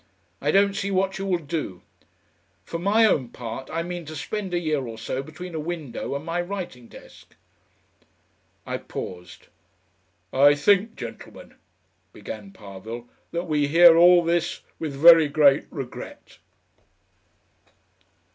I don't see what you will do.... For my own part, I mean to spend a year or so between a window and my writing desk." I paused. "I think, gentlemen," began Parvill, "that we hear all this with very great regret...."